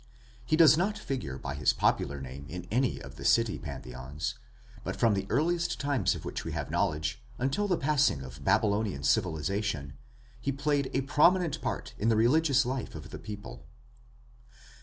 He does not figure by his popular name in any of the city pantheons, but from the earliest times of which we have knowledge until the passing of Babylonian civilization, he played a prominent part in the religious life of the people.